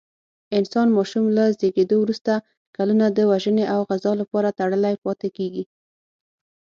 انسان ماشوم له زېږېدو وروسته کلونه د روزنې او غذا لپاره تړلی پاتې کېږي.